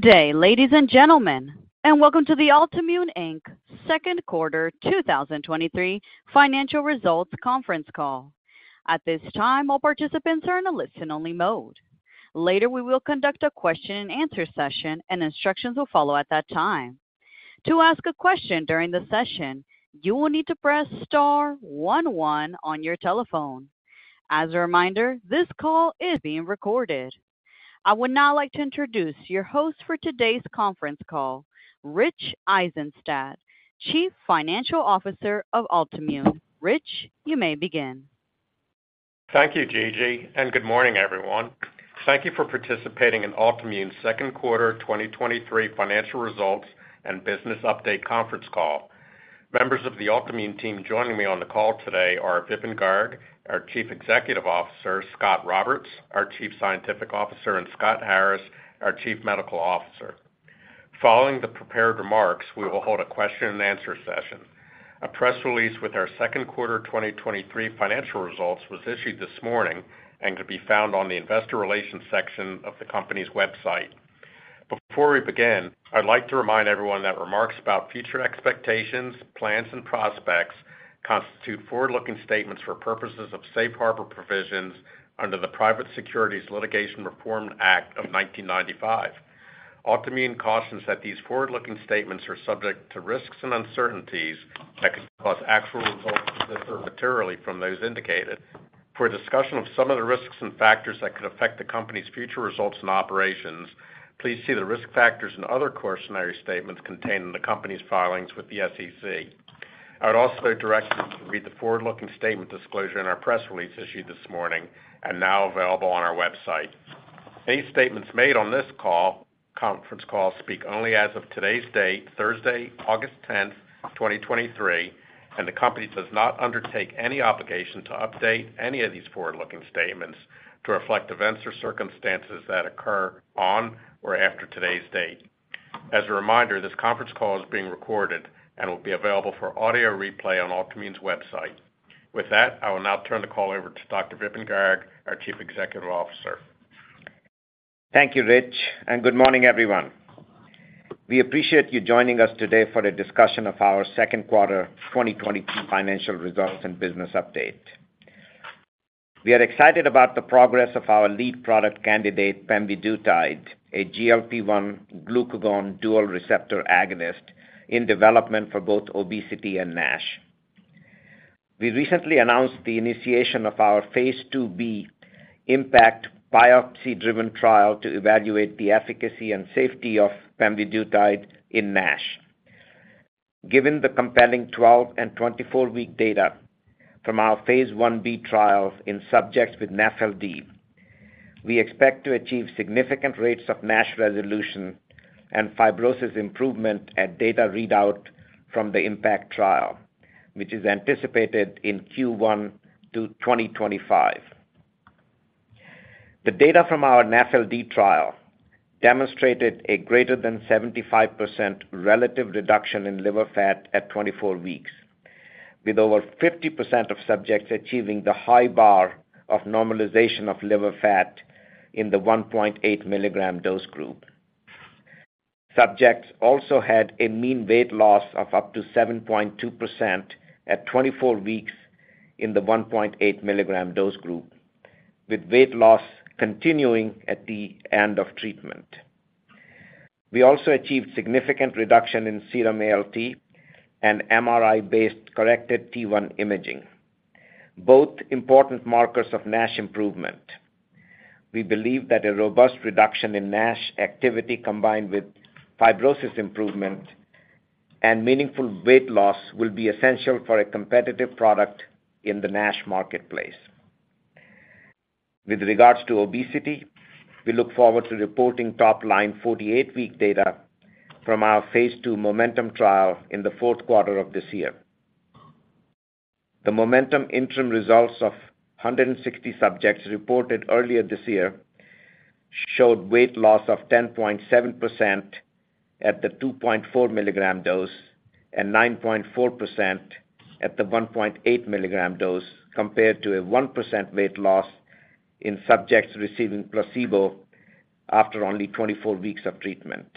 Good day, ladies and gentlemen, and welcome to the Altimmune Inc. Second Quarter 2023 Financial Results Conference Call. At this time, all participants are in a listen-only mode. Later, we will conduct a question and answer session, and instructions will follow at that time. To ask a question during the session, you will need to press star one one on your telephone. As a reminder, this call is being recorded. I would now like to introduce your host for today's conference call, Rich Eisenstadt, Chief Financial Officer of Altimmune. Rich, you may begin. Thank you, Gigi. Good morning, everyone. Thank you for participating in Altimmune's second quarter 2023 financial results and business update conference call. Members of the Altimmune team joining me on the call today are Vipin Garg, our Chief Executive Officer, Scot Roberts, our Chief Scientific Officer, and M. Scott Harris, our Chief Medical Officer. Following the prepared remarks, we will hold a question and answer session. A press release with our second quarter 2023 financial results was issued this morning and can be found on the investor relations section of the company's website. Before we begin, I'd like to remind everyone that remarks about future expectations, plans, and prospects constitute forward-looking statements for purposes of safe harbor provisions under the Private Securities Litigation Reform Act of 1995. Altimmune cautions that these forward-looking statements are subject to risks and uncertainties that could cause actual results to differ materially from those indicated. For a discussion of some of the risks and factors that could affect the company's future results and operations, please see the risk factors and other cautionary statements contained in the company's filings with the SEC. I would also direct you to read the forward-looking statement disclosure in our press release issued this morning and now available on our website. Any statements made on this conference call speak only as of today's date, Thursday, August 10th, 2023, and the company does not undertake any obligation to update any of these forward-looking statements to reflect events or circumstances that occur on or after today's date. As a reminder, this conference call is being recorded and will be available for audio replay on Altimmune's website. With that, I will now turn the call over to Dr. Vipin Garg, our Chief Executive Officer. Thank you, Rich. Good morning, everyone. We appreciate you joining us today for a discussion of our second quarter 2023 financial results and business update. We are excited about the progress of our lead product candidate, pemvidutide, a GLP-1/glucagon dual receptor agonist in development for both obesity and NASH. We recently announced the initiation of our phase II-B IMPACT biopsy-driven trial to evaluate the efficacy and safety of pemvidutide in NASH. Given the compelling 12 and 24-week data from our phase I-B trials in subjects with NAFLD, we expect to achieve significant rates of NASH resolution and fibrosis improvement at data readout from the IMPACT trial, which is anticipated in Q1 2025. The data from our NAFLD trial demonstrated a greater than 75% relative reduction in liver fat at 24 weeks, with over 50% of subjects achieving the high bar of normalization of liver fat in the 1.8 mg dose group. Subjects also had a mean weight loss of up to 7.2% at 24 weeks in the 1.8 mg dose group, with weight loss continuing at the end of treatment. We also achieved significant reduction in serum ALT and MRI-based corrected T1 imaging, both important markers of NASH improvement. We believe that a robust reduction in NASH activity, combined with fibrosis improvement and meaningful weight loss, will be essential for a competitive product in the NASH marketplace. With regards to obesity, we look forward to reporting top-line 48-week data from our phase II MOMENTUM trial in the fourth quarter of this year. The MOMENTUM interim results of 160 subjects reported earlier this year showed weight loss of 10.7% at the 2.4 mg dose and 9.4% at the 1.8 mg dose, compared to a 1% weight loss in subjects receiving placebo after only 24 weeks of treatment.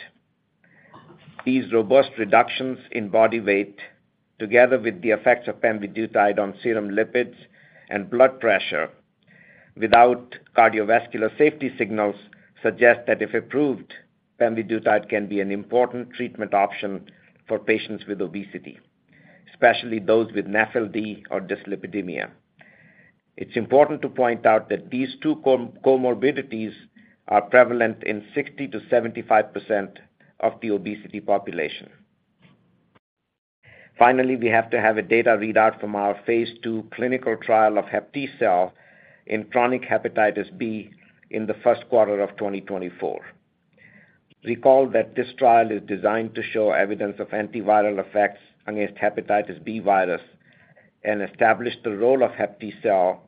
These robust reductions in body weight, together with the effects of pemvidutide on serum lipids and blood pressure without cardiovascular safety signals, suggest that if approved, pemvidutide can be an important treatment option for patients with obesity, especially those with NAFLD or dyslipidemia. It's important to point out that these two comorbidities are prevalent in 60%-75% of the obesity population. Finally, we have to have a data readout from our phase II clinical trial of HepTcell in chronic hepatitis B in the first quarter of 2024. Recall that this trial is designed to show evidence of antiviral effects against hepatitis B virus and establish the role of HepTcell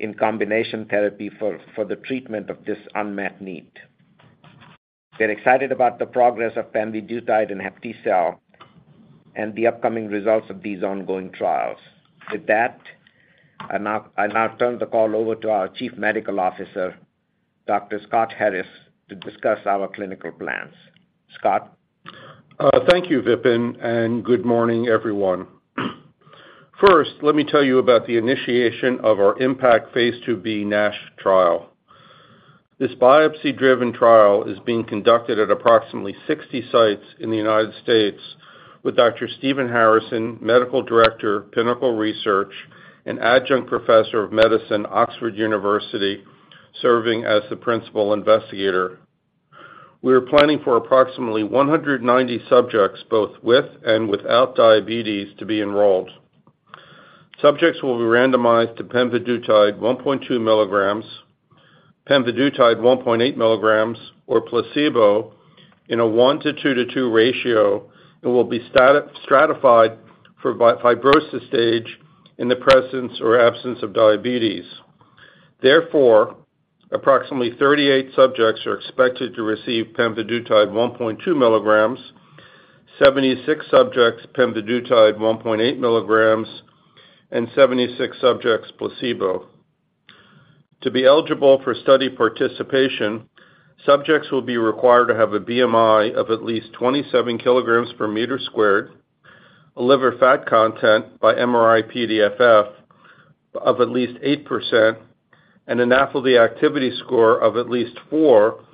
in combination therapy for the treatment of this unmet need. We're excited about the progress of pemvidutide and HepTcell and the upcoming results of these ongoing trials. With that, I now turn the call over to our Chief Medical Officer, Dr. Scott Harris, to discuss our clinical plans. Scott? Thank you, Vipin, and good morning, everyone. First, let me tell you about the initiation of our IMPACT phase IIb NASH trial. This biopsy-driven trial is being conducted at approximately 60 sites in the United States with Dr. Stephen Harrison, Medical Director, Pinnacle Clinical Research, and Adjunct Professor of Medicine, University of Oxford, serving as the principal investigator. We are planning for approximately 190 subjects, both with and without diabetes, to be enrolled. Subjects will be randomized to pemvidutide 1.2 mgs, pemvidutide 1.8 mgs, or placebo in a 1 to 2 to 2 ratio, and will be stratified for fibrosis stage in the presence or absence of diabetes. Therefore, approximately 38 subjects are expected to receive pemvidutide 1.2 mgs, 76 subjects, pemvidutide 1.8 mgs, and 76 subjects, placebo. To be eligible for study participation, subjects will be required to have a BMI of at least 27 kg per meter squared, a liver fat content by MRI-PDFF of at least 8%, and a NAFLD activity score of at least four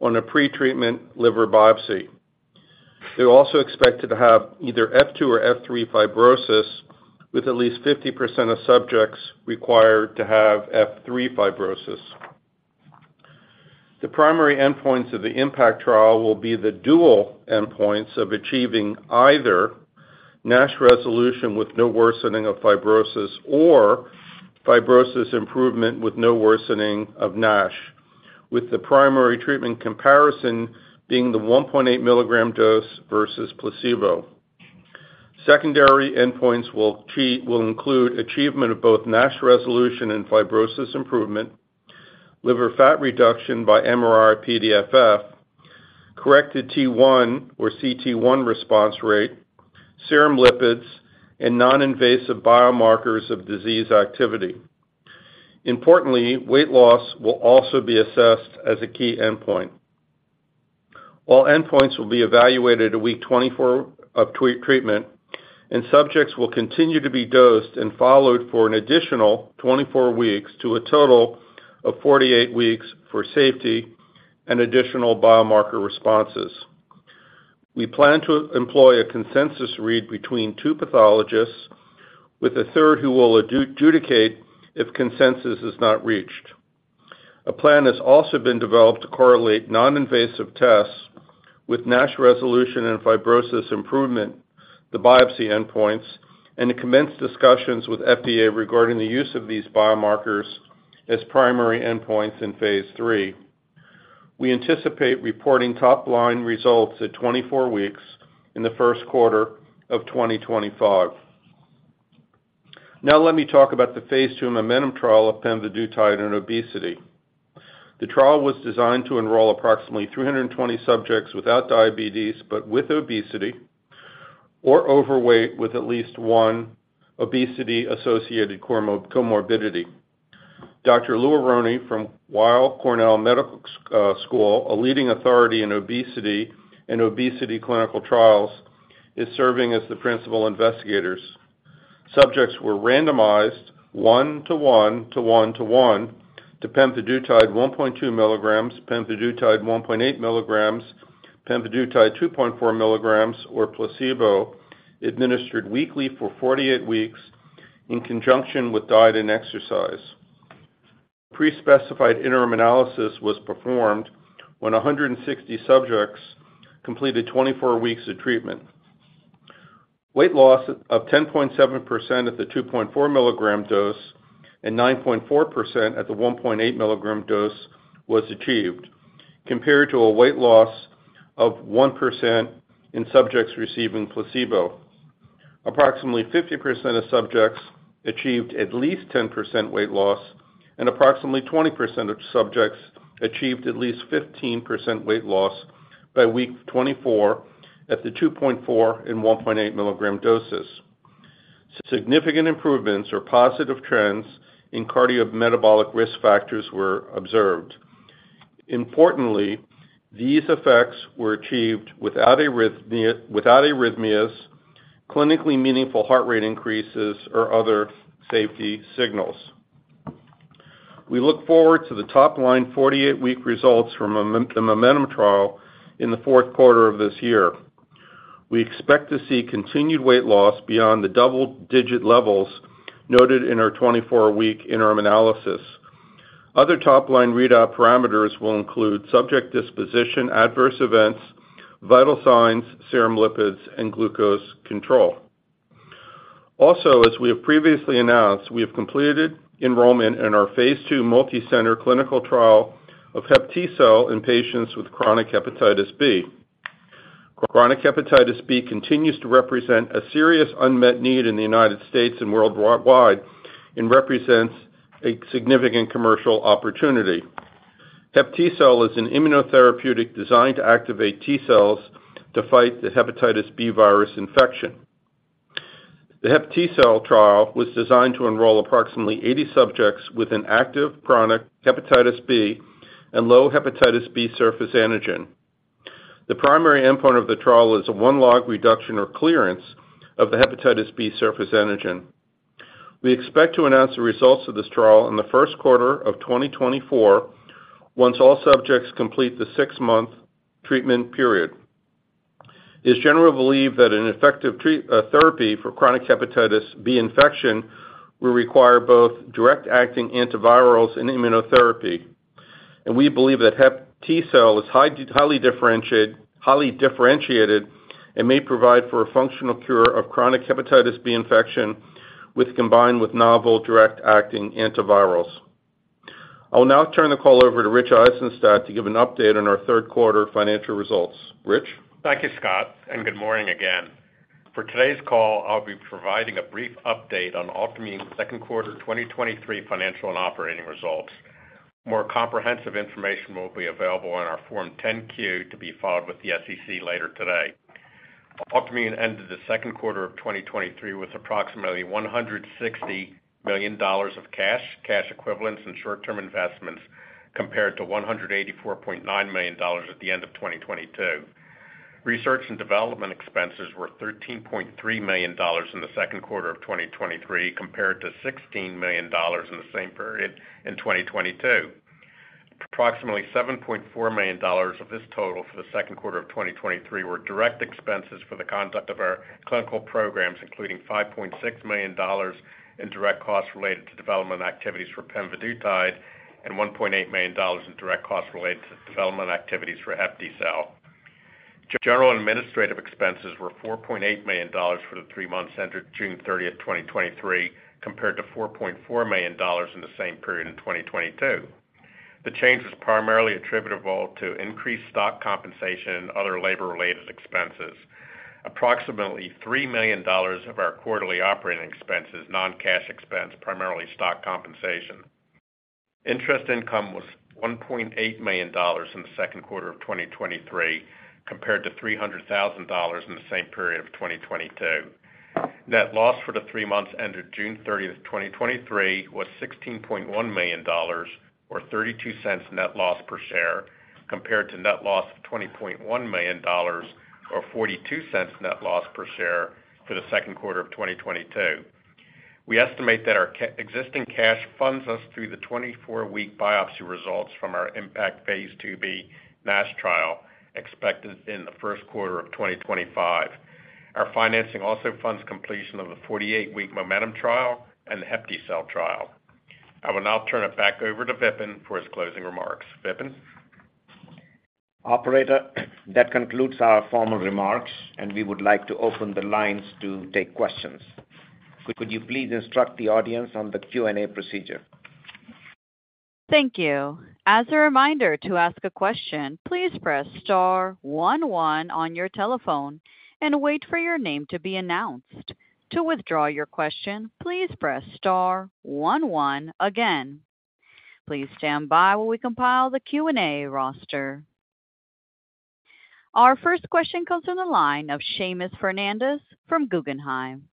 on a pretreatment liver biopsy. They're also expected to have either F2 or F3 fibrosis, with at least 50% of subjects required to have F3 fibrosis. The primary endpoints of the IMPACT trial will be the dual endpoints of achieving either NASH resolution with no worsening of fibrosis or fibrosis improvement with no worsening of NASH, with the primary treatment comparison being the 1.8 mg dose versus placebo. Secondary endpoints will include achievement of both NASH resolution and fibrosis improvement, liver fat reduction by MRI-PDFF, corrected T1 or CT1 response rate, serum lipids, and non-invasive biomarkers of disease activity. Importantly, weight loss will also be assessed as a key endpoint. All endpoints will be evaluated at week 24 of treatment, and subjects will continue to be dosed and followed for an additional 24 weeks to a total of 48 weeks for safety and additional biomarker responses. We plan to employ a consensus read between two pathologists, with a third who will adjudicate if consensus is not reached. A plan has also been developed to correlate non-invasive tests with NASH resolution and fibrosis improvement, the biopsy endpoints, and to commence discussions with FDA regarding the use of these biomarkers as primary endpoints in phase III. We anticipate reporting top-line results at 24 weeks in the first quarter of 2025. Now, let me talk about the phase II MOMENTUM trial of pemvidutide in obesity. The trial was designed to enroll approximately 320 subjects without diabetes, but with obesity, or overweight, with at least one obesity-associated comorbidity. Dr. Louis Aronne from Weill Cornell Medicine, a leading authority in obesity and obesity clinical trials, is serving as the principal investigators. Subjects were randomized 1 to 1 to 1 to 1 to pemvidutide 1.2 mg, pemvidutide 1.8 mg, pemvidutide 2.4 mg, or placebo, administered weekly for 48 weeks in conjunction with diet and exercise. Prespecified interim analysis was performed when 160 subjects completed 24 weeks of treatment. Weight loss of 10.7% at the 2.4 mg dose and 9.4% at the 1.8 mg dose was achieved, compared to a weight loss of 1% in subjects receiving placebo. Approximately 50% of subjects achieved at least 10% weight loss, and approximately 20% of subjects achieved at least 15% weight loss by week 24 at the 2.4 and 1.8 mg doses. Significant improvements or positive trends in cardiometabolic risk factors were observed. Importantly, these effects were achieved without arrhythmias, clinically meaningful heart rate increases, or other safety signals. We look forward to the top-line 48-week results from the MOMENTUM trial in the fourth quarter of this year. We expect to see continued weight loss beyond the double-digit levels noted in our 24-week interim analysis. Other top-line readout parameters will include subject disposition, adverse events, vital signs, serum lipids, and glucose control. Also, as we have previously announced, we have completed enrollment in our phase II multicenter clinical trial of HepTcell in patients with chronic hepatitis B. Chronic hepatitis B continues to represent a serious unmet need in the United States and worldwide, and represents a significant commercial opportunity. HepTcell is an immunotherapeutic designed to activate T-cells to fight the hepatitis B virus infection. The HepTcell trial was designed to enroll approximately 80 subjects with an active chronic hepatitis B and low hepatitis B surface antigen. The primary endpoint of the trial is a 1-log reduction or clearance of the hepatitis B surface antigen. We expect to announce the results of this trial in the first quarter of 2024, once all subjects complete the six-month treatment period. It's generally believed that an effective therapy for chronic hepatitis B infection will require both direct-acting antivirals and immunotherapy. We believe that HepTcell is highly differentiated and may provide for a functional cure of chronic hepatitis B infection with combined with novel direct-acting antivirals. I'll now turn the call over to Rich Eisenstadt to give an update on our third quarter financial results. Rich? Thank you, Scott, and good morning again. For today's call, I'll be providing a brief update on Altimmune's second quarter 2023 financial and operating results. More comprehensive information will be available on our Form 10-Q, to be followed with the SEC later today. Altimmune ended the second quarter of 2023 with approximately $160 million of cash, cash equivalents, and short-term investments, compared to $184.9 million at the end of 2022. Research and development expenses were $13.3 million in the second quarter of 2023, compared to $16 million in the same period in 2022. Approximately $7.4 million of this total for the 2Q 2023 were direct expenses for the conduct of our clinical programs, including $5.6 million in direct costs related to development activities for pemvidutide, and $1.8 million in direct costs related to development activities for HepTcell. General administrative expenses were $4.8 million for the three months ended June 30, 2023, compared to $4.4 million in the same period in 2022. The change is primarily attributable to increased stock compensation and other labor-related expenses. Approximately $3 million of our quarterly operating expense is non-cash expense, primarily stock compensation. Interest income was $1.8 million in the 2Q 2023, compared to $300,000 in the same period of 2022. Net loss for the three months ended June 30th, 2023, was $16.1 million, or $0.32 net loss per share, compared to net loss of $20.1 million or $0.42 net loss per share for the second quarter of 2022. We estimate that our existing cash funds us through the 24-week biopsy results from our IMPACT phase IIb NASH trial, expected in the first quarter of 2025. Our financing also funds completion of the 48-week MOMENTUM trial and the HepTcell trial. I will now turn it back over to Vipin for his closing remarks. Vipin? Operator, that concludes our formal remarks, and we would like to open the lines to take questions. Could you please instruct the audience on the Q&A procedure? Thank you. As a reminder, to ask a question, please press star one one on your telephone and wait for your name to be announced. To withdraw your question, please press star one one again. Please stand by while we compile the Q&A roster. Our first question comes from the line of Seamus Fernandez from Guggenheim.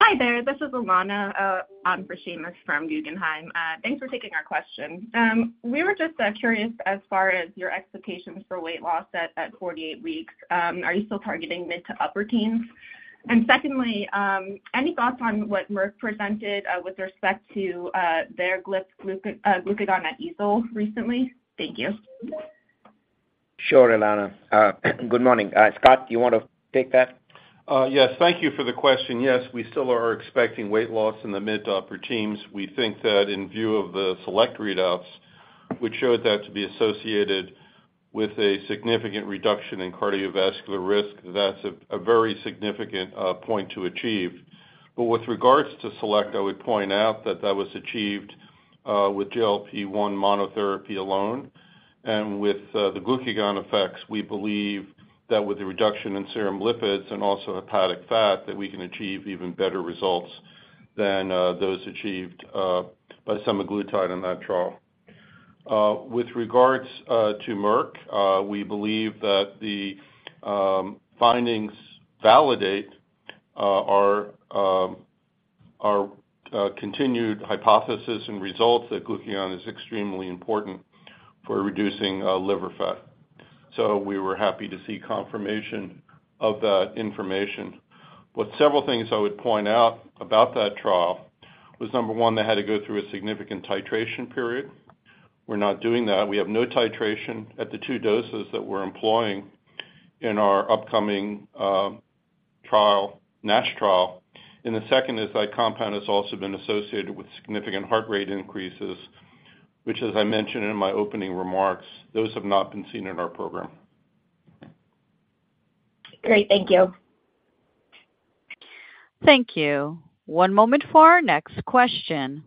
Hi, there. This is Alana, on for Seamus from Guggenheim. Thanks for taking our question. We were just curious, as far as your expectations for weight loss at 48 weeks, are you still targeting mid to upper teens? Secondly, any thoughts on what Merck presented with respect to their GLP glucagon at EASD recently? Thank you. Sure, Alana. Good morning. Scott, do you want to take that? Yes. Thank you for the question. Yes, we still are expecting weight loss in the mid to upper teens. We think that in view of the SELECT readouts, which showed that to be associated with a significant reduction in cardiovascular risk, that's a, a very significant point to achieve. With regards to SELECT, I would point out that that was achieved with GLP-1 monotherapy alone. With the glucagon effects, we believe that with the reduction in serum lipids and also hepatic fat, that we can achieve even better results than those achieved by semaglutide in that trial. With regards to Merck, we believe that the findings validate our our continued hypothesis and results that glucagon is extremely important for reducing liver fat. We were happy to see confirmation of that information. Several things I would point out about that trial was, number one, they had to go through a significant titration period. We're not doing that. We have no titration at the two doses that we're employing in our upcoming trial, NASH trial. The second is, that compound has also been associated with significant heart rate increases, which, as I mentioned in my opening remarks, those have not been seen in our program. Great. Thank you. Thank you. One moment for our next question.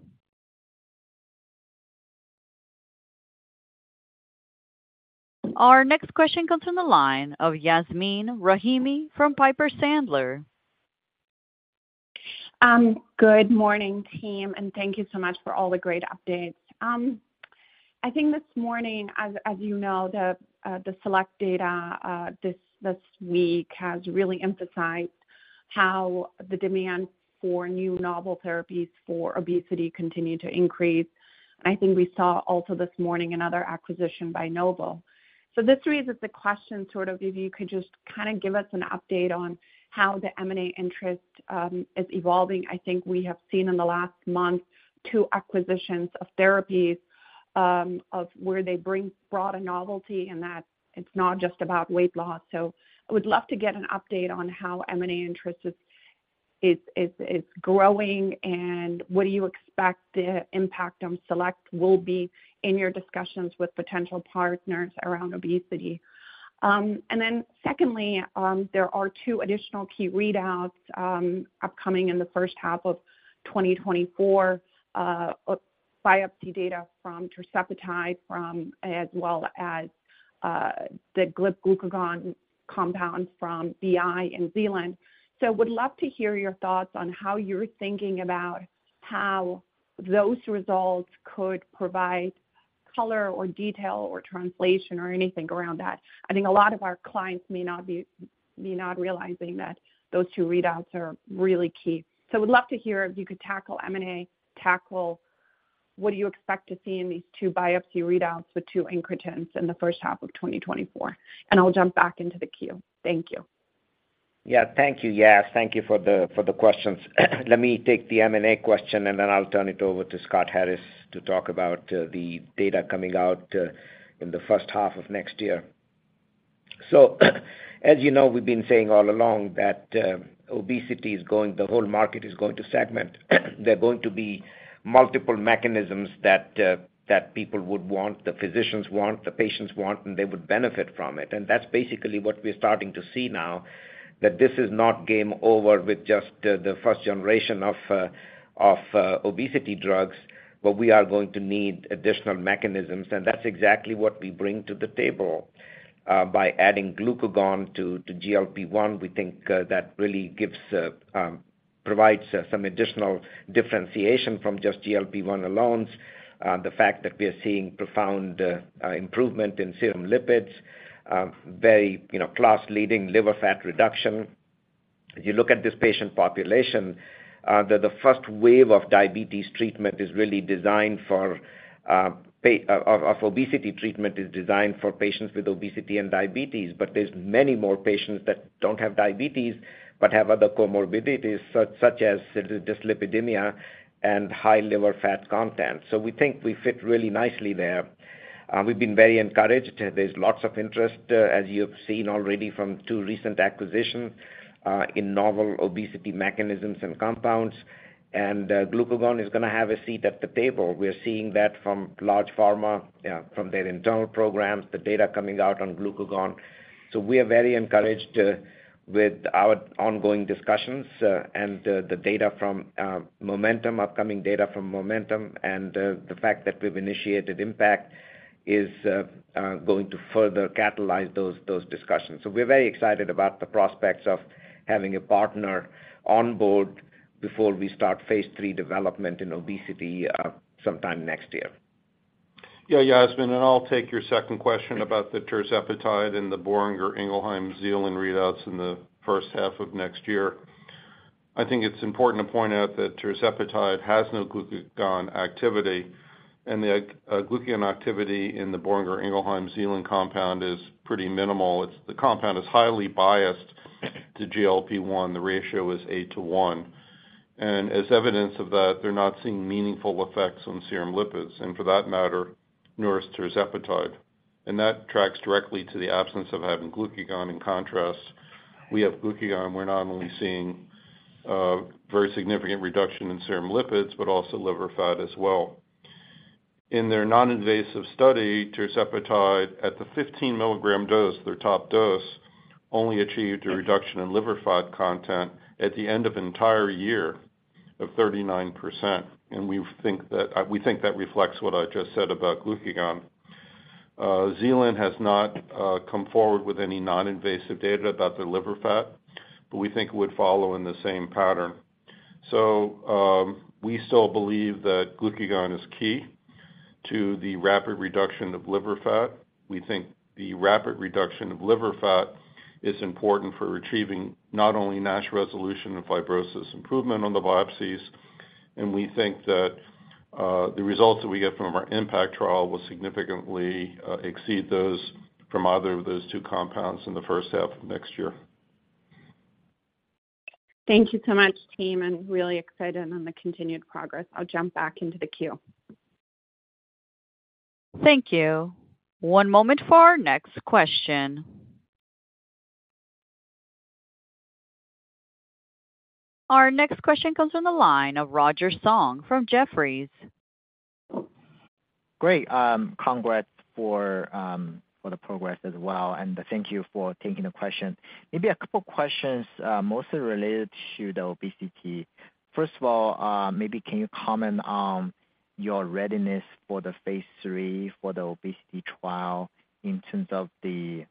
Our next question comes from the line of Yasmeen Rahimi from Piper Sandler. Good morning, team, and thank you so much for all the great updates. I think this morning, as, as you know, the SELECT data this week has really emphasized how the demand for new novel therapies for obesity continue to increase. I think we saw also this morning another acquisition by Novo. This raises the question, sort of, if you could just kind of give us an update on how the M&A interest is evolving. I think we have seen in the last month, two acquisitions of therapies of where they bring broader novelty and that it's not just about weight loss. I would love to get an update on how M&A interest is, is, is, is growing, and what do you expect the impact on SELECT will be in your discussions with potential partners around obesity? Then secondly, there are two additional key readouts, upcoming in the first half of 2024, biopsy data from tirzepatide from as well as, the GLP-1 glucagon compound from BI and Zealand. Would love to hear your thoughts on how you're thinking about how those results could provide color or detail or translation or anything around that. I think a lot of our clients may not realizing that those two readouts are really key. Would love to hear if you could tackle M&A, tackle what do you expect to see in these two biopsy readouts with two incretins in the first half of 2024. I'll jump back into the queue. Thank you. Yeah. Thank you, Yas. Thank you for the questions. Let me take the M&A question, and then I'll turn it over to Scott Harris to talk about the data coming out in the first half of next year. As you know, we've been saying all along that the whole market is going to segment. There are going to be multiple mechanisms that people would want, the physicians want, the patients want, and they would benefit from it. That's basically what we're starting to see now, that this is not game over with just the first generation of obesity drugs, but we are going to need additional mechanisms, and that's exactly what we bring to the table. By adding glucagon to GLP-1, we think that really gives, provides some additional differentiation from just GLP-1 alone. The fact that we are seeing profound improvement in serum lipids, very, you know, class-leading liver fat reduction. If you look at this patient population, the first wave of diabetes treatment is really designed for obesity treatment is designed for patients with obesity and diabetes, but there's many more patients that don't have diabetes, but have other comorbidities, such as dyslipidemia and high liver fat content. We think we fit really nicely there. We've been very encouraged. There's lots of interest, as you've seen already from two recent acquisitions, in novel obesity mechanisms and compounds. Glucagon is gonna have a seat at the table. We're seeing that from large pharma, from their internal programs, the data coming out on glucagon. We are very encouraged with our ongoing discussions, and the, the data from MOMENTUM, upcoming data from MOMENTUM, and the fact that we've initiated IMPACT is going to further catalyze those, those discussions. We're very excited about the prospects of having a partner on board before we start phase III development in obesity, sometime next year. Yeah, Yasmin, I'll take your second question about the tirzepatide and the Boehringer Ingelheim Zealand readouts in the first half of next year. I think it's important to point out that tirzepatide has no glucagon activity, the glucagon activity in the Boehringer Ingelheim Zealand compound is pretty minimal. The compound is highly biased to GLP-1. The ratio is 8 to 1, as evidence of that, they're not seeing meaningful effects on serum lipids, for that matter, nor is tirzepatide. That tracks directly to the absence of having glucagon. In contrast, we have glucagon. We're not only seeing very significant reduction in serum lipids, but also liver fat as well. In their non-invasive study, tirzepatide, at the 15 mg dose, their top dose, only achieved a reduction in liver fat content at the end of an entire year of 39%. We think that reflects what I just said about glucagon. Zealand has not come forward with any non-invasive data about their liver fat, but we think it would follow in the same pattern. We still believe that glucagon is key to the rapid reduction of liver fat. We think the rapid reduction of liver fat is important for achieving not only NASH resolution and fibrosis improvement on the biopsies, we think that the results that we get from our Impact trial will significantly exceed those from either of those two compounds in the first half of next year. Thank you so much, team, and really excited on the continued progress. I'll jump back into the queue. Thank you. One moment for our next question. Our next question comes from the line of Roger Song from Jefferies. Great. Congrats for the progress as well. Thank you for taking the question. Maybe a couple questions, mostly related to the obesity. First of all, maybe can you comment your readiness for the phase III for the obesity trial in terms of the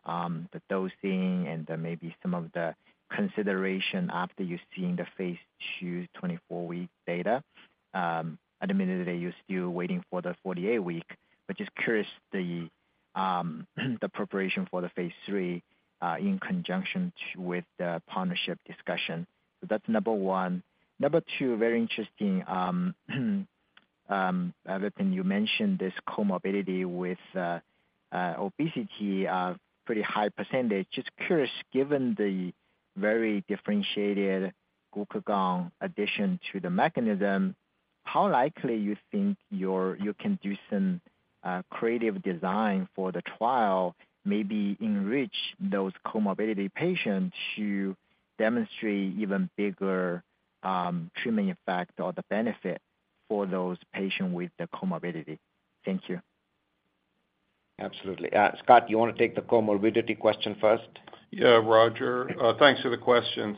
dosing and then maybe some of the consideration after you've seen the phase II 24-week data. Admittedly, you're still waiting for the 48-week, but just curious the preparation for the phase III in conjunction with the partnership discussion. That's number one. Number two, very interesting, Vipin, you mentioned this comorbidity with obesity, a pretty high percentage. Just curious, given the very differentiated glucagon addition to the mechanism, how likely you think you can do some creative design for the trial, maybe enrich those comorbidity patients to demonstrate even bigger treatment effect or the benefit for those patients with the comorbidity? Thank you. Absolutely. Scott, you wanna take the comorbidity question first? Yeah, Roger, thanks for the question.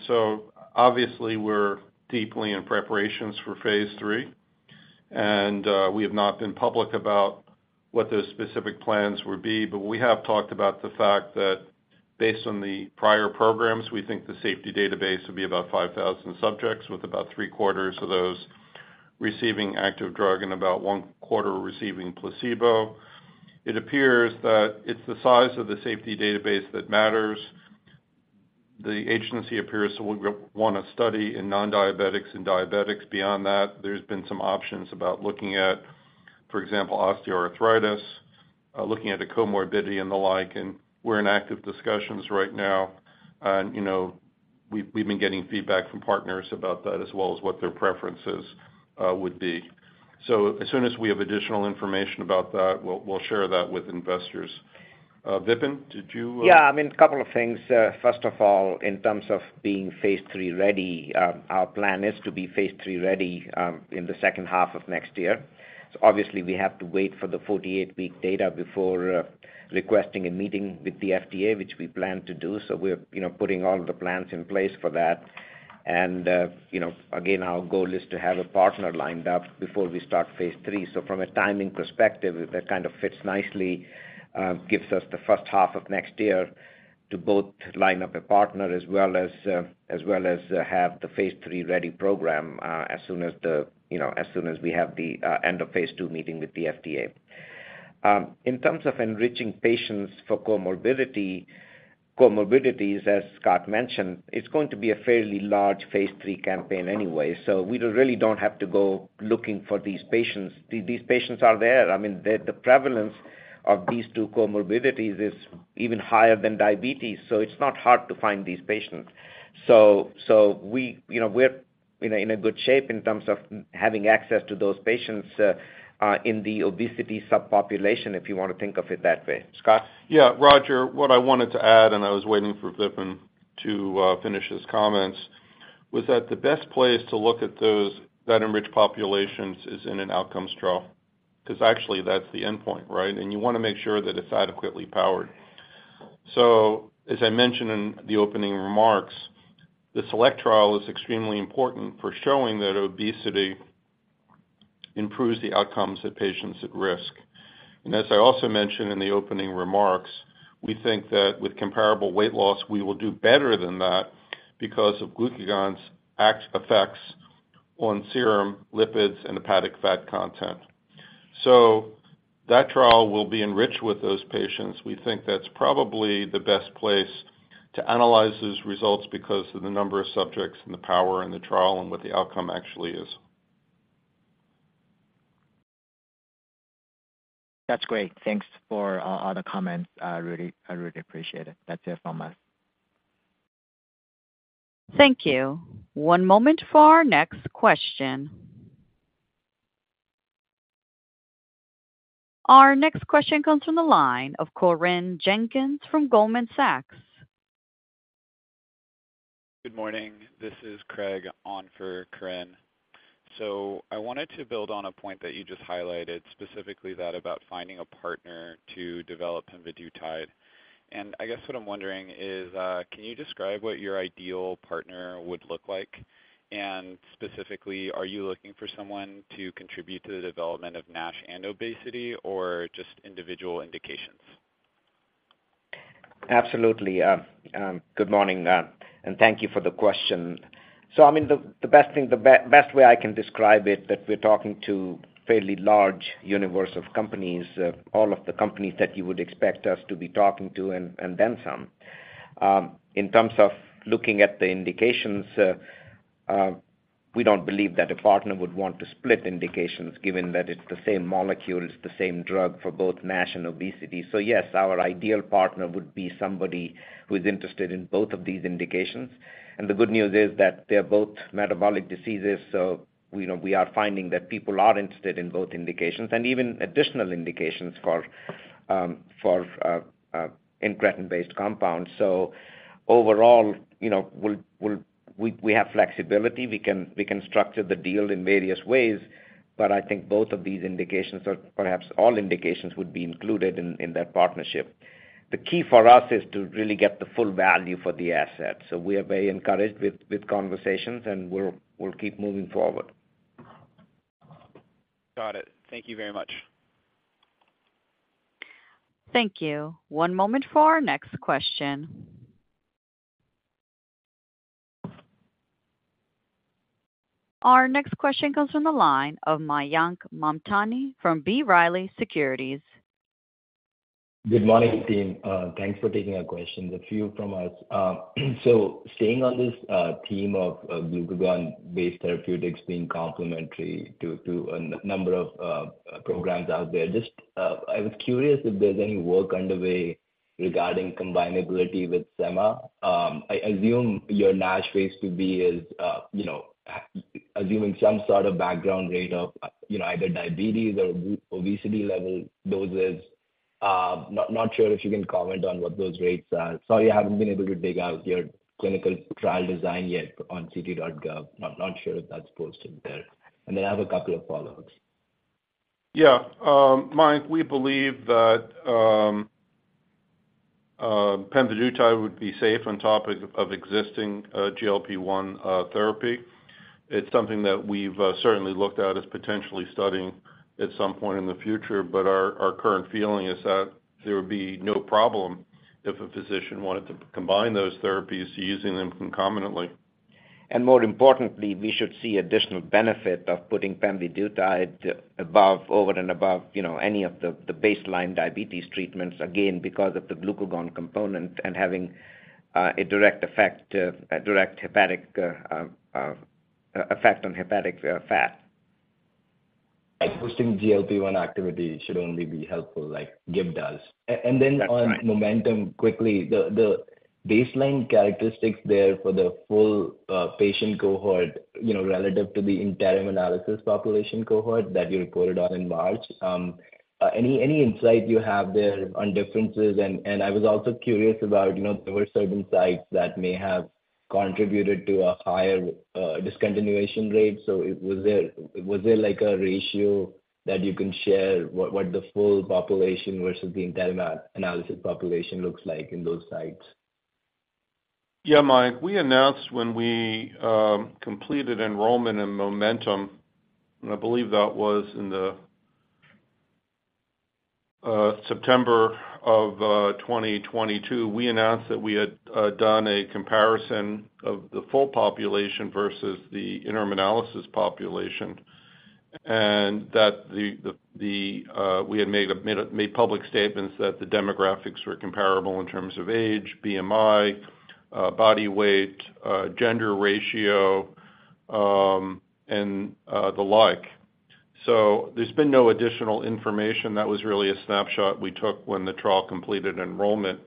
Obviously, we're deeply in preparations for phase III, and we have not been public about what those specific plans would be, but we have talked about the fact that based on the prior programs, we think the safety database will be about 5,000 subjects, with about three quarters of those receiving active drug and about one quarter receiving placebo. It appears that it's the size of the safety database that matters. The agency appears to want to study in non-diabetics and diabetics. Beyond that, there's been some options about looking at, for example, osteoarthritis, looking at a comorbidity and the like, and we're in active discussions right now. You know, we've, we've been getting feedback from partners about that as well as what their preferences, would be. as soon as we have additional information about that, we'll, we'll share that with investors. Vipin, did you... Yeah, I mean, a couple of things. First of all, in terms of being phase III ready, our plan is to be phase III ready in the second half of next year. Obviously, we have to wait for the 48-week data before requesting a meeting with the FDA, which we plan to do. We're, you know, putting all the plans in place for that. Again, our goal is to have a partner lined up before we start phase III. From a timing perspective, that kind of fits nicely, gives us the first half of next year to both line up a partner as well as as well as have the phase III ready program as soon as the, you know, as soon as we have the end of phase II meeting with the FDA. In terms of enriching patients for comorbidity, comorbidities, as Scott mentioned, it's going to be a fairly large phase III campaign anyway, so we really don't have to go looking for these patients. These patients are there. I mean, the prevalence of these two comorbidities is even higher than diabetes, so it's not hard to find these patients. So we, you know, we're in a good shape in terms of having access to those patients in the obesity subpopulation, if you want to think of it that way. Scott? Yeah, Roger, what I wanted to add, and I was waiting for Vipin to finish his comments, was that the best place to look at those, that enriched populations is in an outcomes trial, 'cause actually that's the endpoint, right? You wanna make sure that it's adequately powered. As I mentioned in the opening remarks, the SELECT trial is extremely important for showing that obesity improves the outcomes of patients at risk. As I also mentioned in the opening remarks, we think that with comparable weight loss, we will do better than that because of glucagon's effects on serum, lipids, and hepatic fat content. That trial will be enriched with those patients. We think that's probably the best place to analyze those results because of the number of subjects and the power in the trial and what the outcome actually is. That's great. Thanks for all the comments. I really, I really appreciate it. That's it from us. Thank you. One moment for our next question. Our next question comes from the line of Corinne Jenkins from Goldman Sachs. Good morning. This is Craig on for Corinne. I wanted to build on a point that you just highlighted, specifically that about finding a partner to develop pemvidutide. I guess what I'm wondering is, can you describe what your ideal partner would look like? Specifically, are you looking for someone to contribute to the development of NASH and obesity or just individual indications? Absolutely. Good morning, and thank you for the question. I mean, the, the best thing, the best way I can describe it, that we're talking to fairly large universe of companies, all of the companies that you would expect us to be talking to and, and then some. In terms of looking at the indications, we don't believe that a partner would want to split indications given that it's the same molecule, it's the same drug for both NASH and obesity. Yes, our ideal partner would be somebody who is interested in both of these indications. The good news is that they're both metabolic diseases, so we are finding that people are interested in both indications and even additional indications for, for, incretin-based compounds. Overall, you know, we'll, we'll, we, we have flexibility. We can structure the deal in various ways, I think both of these indications, or perhaps all indications, would be included in that partnership. The key for us is to really get the full value for the asset. We are very encouraged with conversations, and we'll keep moving forward. Got it. Thank you very much. Thank you. One moment for our next question. Our next question comes from the line of Mayank Mamtani from B. Riley Securities. Good morning, team. Thanks for taking our questions. A few from us. Staying on this theme of glucagon-based therapeutics being complementary to a number of programs out there, just, I was curious if there's any work underway regarding combinability with SEMA. I assume your NASH phase IIb is, you know, assuming some sort of background rate of, you know, either diabetes or obesity level doses. Not sure if you can comment on what those rates are. Sorry, I haven't been able to dig out your clinical trial design yet on ClinicalTrials.gov. I'm not sure if that's posted there. Then I have a couple of follow-ups. Yeah, Mayank, we believe that pemvidutide would be safe on top of existing GLP-1 therapy. It's something that we've certainly looked at as potentially studying at some point in the future, but our current feeling is that there would be no problem if a physician wanted to combine those therapies using them concomitantly. More importantly, we should see additional benefit of putting pemvidutide over and above, you know, any of the, the baseline diabetes treatments, again, because of the glucagon component and having a direct effect, a direct hepatic effect on hepatic fat. Like, boosting GLP-1 activity should only be helpful, like GIP does. That's right. And then on MOMENTUM, quickly, the, the baseline characteristics there for the full, patient cohort, you know, relative to the interim analysis population cohort that you reported on in March, any, any insight you have there on differences? I was also curious about, you know, there were certain sites that may have contributed to a higher, discontinuation rate. So was there, was there, like, a ratio that you can share what, what the full population versus the interim analysis population looks like in those sites? Yeah, Mayank. We announced when we completed enrollment in MOMENTUM, and I believe that was in the September of 2022. We announced that we had done a comparison of the full population versus the interim analysis population, and that we had made public statements that the demographics were comparable in terms of age, BMI, body weight, gender ratio, and the like. There's been no additional information. That was really a snapshot we took when the trial completed enrollment.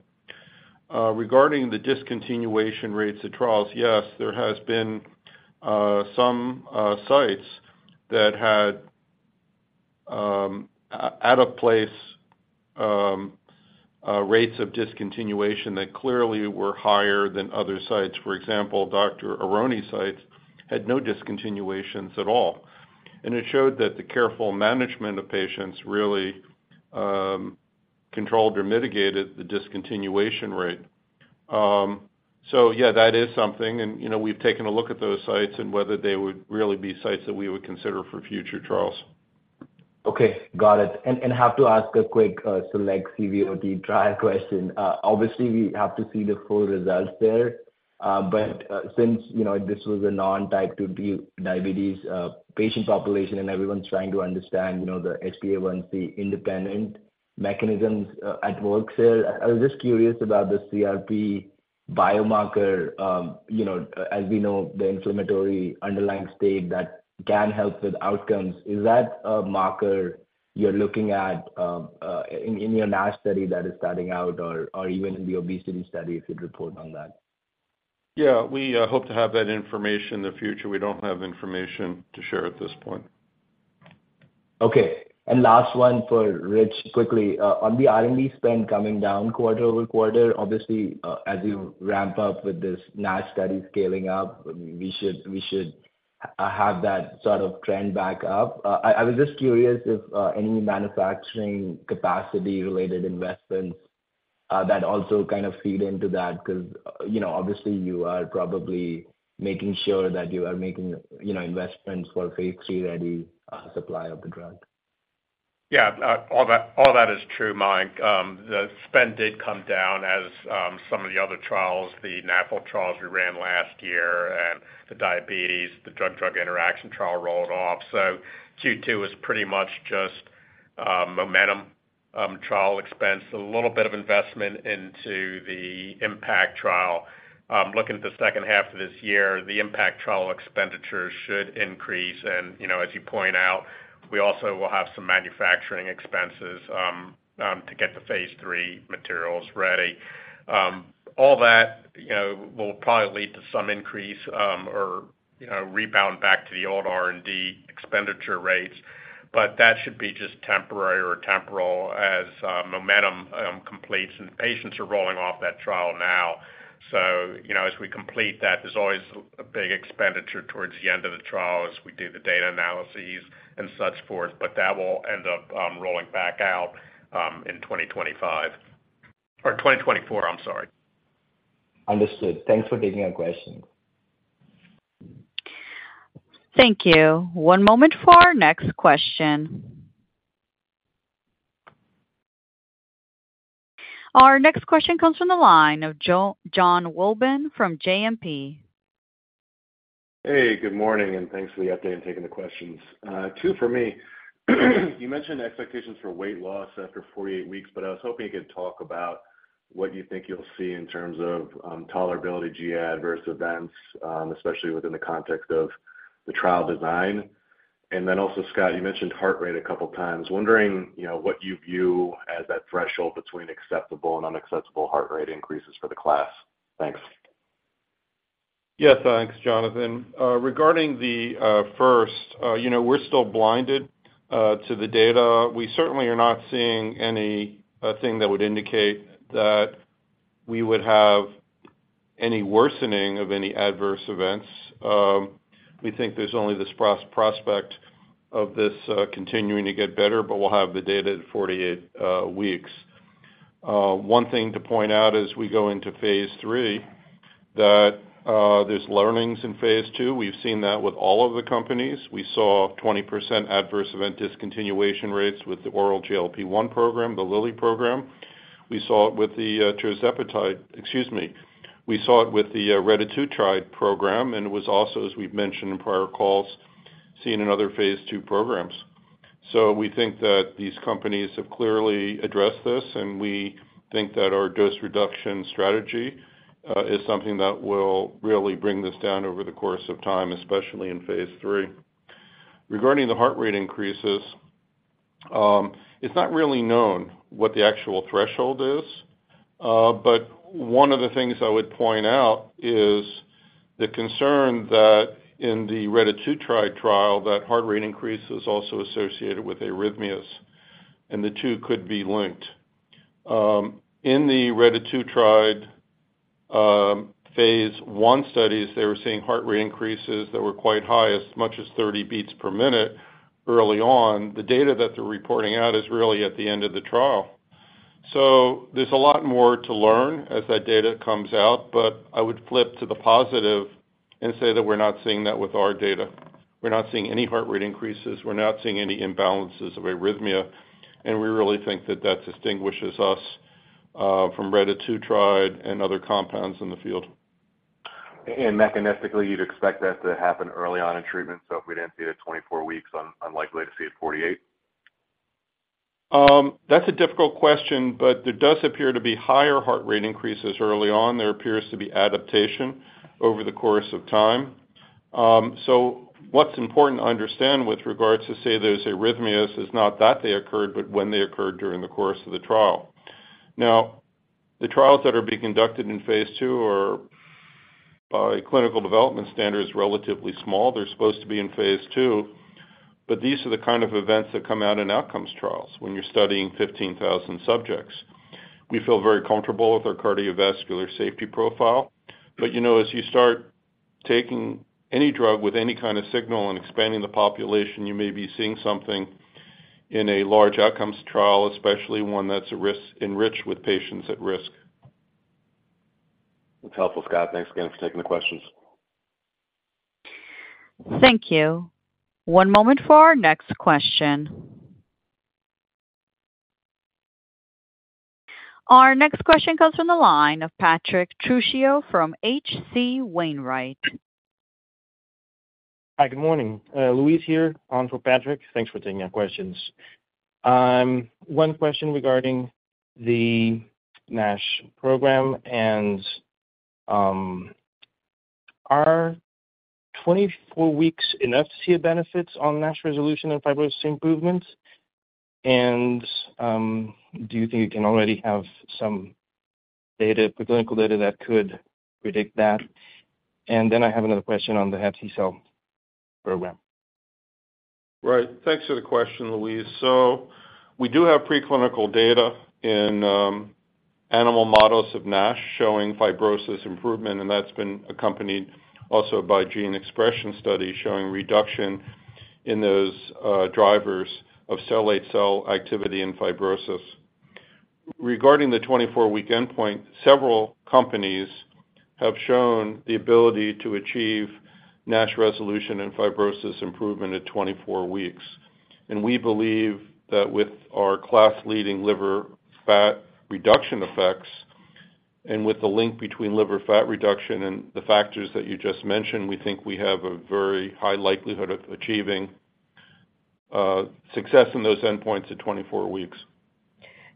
Regarding the discontinuation rates of trials, yes, there has been some sites that had out of place rates of discontinuation that clearly were higher than other sites. For example, Dr. Aronne sites had no discontinuations at all. It showed that the careful management of patients really controlled or mitigated the discontinuation rate. Yeah, that is something, and, you know, we've taken a look at those sites and whether they would really be sites that we would consider for future trials. Okay, got it. Have to ask a quick, SELECT CVOT trial question. Obviously, we have to see the full results there, but since, you know, this was a non-type 2 diabetes patient population, and everyone's trying to understand, you know, the HbA1c independent mechanisms at work there. I was just curious about the CRP biomarker. You know, as we know, the inflammatory underlying state that can help with outcomes. Is that a marker you're looking at, in, in your NASH study that is starting out or, or even in the obesity study, if you'd report on that? We hope to have that information in the future. We don't have information to share at this point. Okay. Last one for Rich, quickly. On the R&D spend coming down quarter-over-quarter, obviously, as you ramp up with this NASH study scaling up, we should, we should, have that sort of trend back up. I was just curious if any manufacturing capacity related investments, that also kind of feed into that, 'cause, you know, obviously you are probably making sure that you are making, you know, investments for phase III-ready supply of the drug. Yeah, all that, all that is true, Mayank. The spend did come down as some of the other trials, the NAFL trials we ran last year, and the diabetes drug-drug interaction trial rolled off. Q2 was pretty much just MOMENTUM trial expense, a little bit of investment into the IMPACT trial. Looking at the second half of this year, the IMPACT trial expenditures should increase. You know, as you point out, we also will have some manufacturing expenses to get the phase III materials ready. All that, you know, will probably lead to some increase or, you know, rebound back to the old R&D expenditure rates, but that should be just temporary or temporal as MOMENTUM completes, and patients are rolling off that trial now. You know, as we complete that, there's always a, a big expenditure towards the end of the trial as we do the data analyses and such forth, but that will end up rolling back out in 2025 or 2024, I'm sorry. Understood. Thanks for taking our question. Thank you. One moment for our next question. Our next question comes from the line of Jon Wolleben from JMP. Hey, good morning, and thanks for the update and taking the questions. Two for me. You mentioned expectations for weight loss after 48 weeks, but I was hoping you could talk about what you think you'll see in terms of tolerability, GI adverse events, especially within the context of the trial design. Then also, Scott, you mentioned heart rate a couple of times. Wondering, you know, what you view as that threshold between acceptable and unacceptable heart rate increases for the class. Thanks. Yeah, thanks, Jonathan. Regarding the first, you know, we're still blinded to the data. We certainly are not seeing anything that would indicate that we would have any worsening of any adverse events. We think there's only this prospect of this continuing to get better, but we'll have the data at 48 weeks. One thing to point out as we go into phase III, that there's learnings in phase II. We've seen that with all of the companies. We saw 20% adverse event discontinuation rates with the oral GLP-1 program, the Lilly program. We saw it with the tirzepatide... Excuse me. We saw it with the rezutrid program, and it was also, as we've mentioned in prior calls, seen in other phase II programs. We think that these companies have clearly addressed this, and we think that our dose reduction strategy is something that will really bring this down over the course of time, especially in phase III. Regarding the heart rate increases, it's not really known what the actual threshold is, but one of the things I would point out is the concern that in the retatrutide trial, that heart rate increase is also associated with arrhythmias, and the two could be linked. In the retatrutide phase 1 studies, they were seeing heart rate increases that were quite high, as much as 30 beats per minute early on. The data that they're reporting out is really at the end of the trial. There's a lot more to learn as that data comes out, but I would flip to the positive and say that we're not seeing that with our data. We're not seeing any heart rate increases, we're not seeing any imbalances of arrhythmia, and we really think that that distinguishes us from retatrutide and other compounds in the field. Mechanistically, you'd expect that to happen early on in treatment, so if we didn't see it at 24 weeks, unlikely to see it at 48? That's a difficult question, but there does appear to be higher heart rate increases early on. There appears to be adaptation over the course of time. What's important to understand with regards to, say, those arrhythmias is not that they occurred, but when they occurred during the course of the trial. The trials that are being conducted in phase two are, by clinical development standards, relatively small. They're supposed to be in phase two, but these are the kind of events that come out in outcomes trials when you're studying 15,000 subjects. We feel very comfortable with our cardiovascular safety profile, but, you know, as you start taking any drug with any kind of signal and expanding the population, you may be seeing something in a large outcomes trial, especially one that's a risk-enriched with patients at risk. That's helpful, Scott. Thanks again for taking the questions. Thank you. One moment for our next question. Our next question comes from the line of Patrick Trucchio from H.C. Wainwright. Hi, good morning. Luis here, on for Patrick. Thanks for taking our questions. One question regarding the NASH program and, are 24 weeks enough to see the benefits on NASH resolution and fibrosis improvements? Do you think you can already have some data, preclinical data that could predict that? I have another question on the HepTcell program. Right. Thanks for the question, Luis. We do have preclinical data in animal models of NASH showing fibrosis improvement, and that's been accompanied also by gene expression studies showing reduction in those drivers of late cell activity and fibrosis. Regarding the 24-week endpoint, several companies have shown the ability to achieve NASH resolution and fibrosis improvement at 24 weeks. We believe that with our class-leading liver fat reduction effects and with the link between liver fat reduction and the factors that you just mentioned, we think we have a very high likelihood of achieving success in those endpoints at 24 weeks.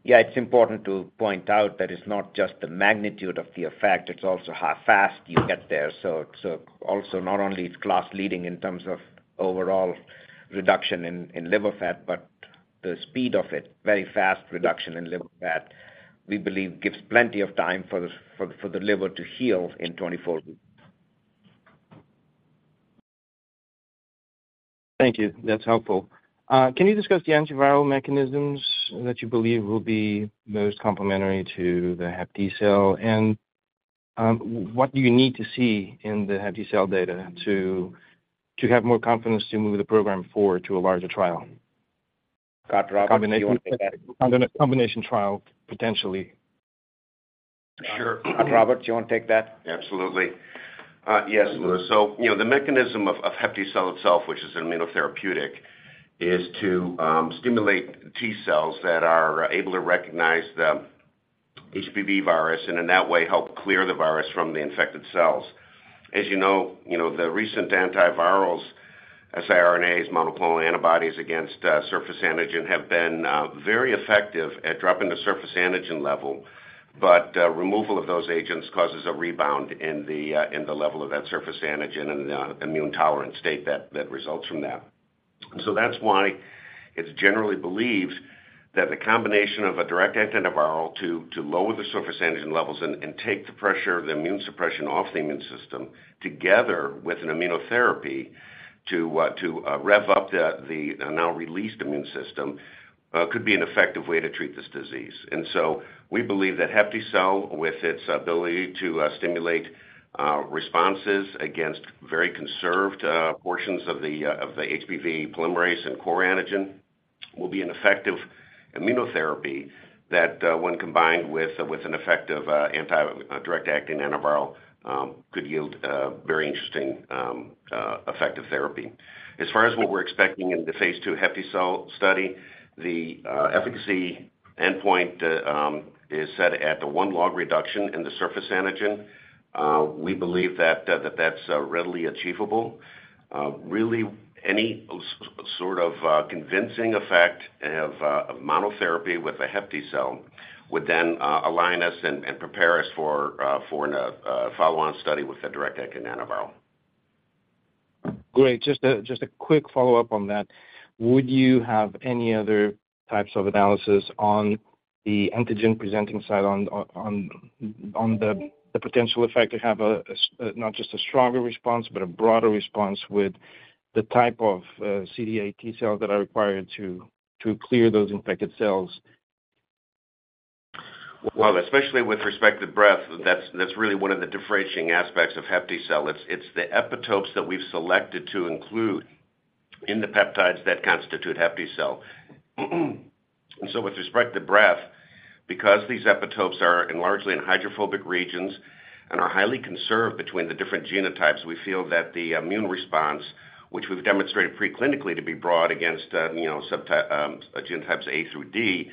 It's important to point out that it's not just the magnitude of the effect, it's also how fast you get there. Also not only it's class-leading in terms of overall reduction in liver fat, but the speed of it, very fast reduction in liver fat, we believe gives plenty of time for the liver to heal in 24 weeks. Thank you. That's helpful. Can you discuss the antiviral mechanisms that you believe will be most complementary to the HepTcell? What do you need to see in the HepTcell data to, to have more confidence to move the program forward to a larger trial? Scot Roberts, do you want to take that? On the combination trial, potentially. Sure. Roberts, you want to take that? Absolutely. Yes, you know, the mechanism of, of HepTcell itself, which is an immunotherapeutic, is to stimulate T cells that are able to recognize the HBV virus, and in that way, help clear the virus from the infected cells. As you know, you know, the recent antivirals, siRNAs, monoclonal antibodies against surface antigen, have been very effective at dropping the surface antigen level, but removal of those agents causes a rebound in the in the level of that surface antigen and the immune tolerant state that, that results from that. That's why it's generally believed that the combination of a direct acting antiviral to lower the surface antigen levels and take the pressure of the immune suppression off the immune system, together with an immunotherapy to rev up the now released immune system could be an effective way to treat this disease. We believe that HepTcell, with its ability to stimulate responses against very conserved portions of the HBV polymerase and core antigen, will be an effective immunotherapy that when combined with an effective anti-direct acting antiviral could yield a very interesting effective therapy. As far as what we're expecting in the phase II HepTcell study, the efficacy endpoint is set at the 1 log reduction in the surface antigen. We believe that, that that's readily achievable. Really, any sort of convincing effect of monotherapy with the HepTcell would then align us and prepare us for a follow-on study with the direct acting antiviral. Great. Just a quick follow-up on that. Would you have any other types of analysis on the antigen-presenting side on the potential effect to have a not just a stronger response, but a broader response with the type of CD8+ T cells that are required to clear those infected cells? Well, especially with respect to breath, that's, that's really one of the differentiating aspects of HepTcell. It's, it's the epitopes that we've selected to include in the peptides that constitute HepTcell. With respect to breath, because these epitopes are enlarged in hydrophobic regions and are highly conserved between the different genotypes, we feel that the immune response, which we've demonstrated preclinically to be broad against, you know, subtype, genotypes A through D,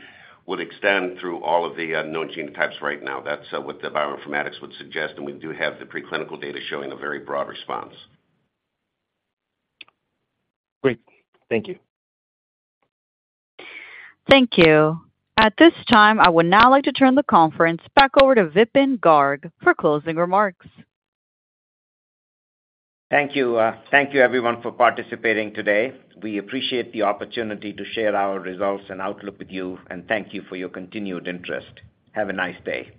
would extend through all of the known genotypes right now. That's what the bioinformatics would suggest, and we do have the preclinical data showing a very broad response. Great. Thank you. Thank you. At this time, I would now like to turn the conference back over to Vipin Garg for closing remarks. Thank you. Thank you everyone for participating today. We appreciate the opportunity to share our results and outlook with you, and thank you for your continued interest. Have a nice day.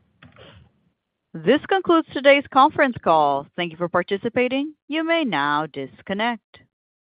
This concludes today's conference call. Thank you for participating. You may now disconnect.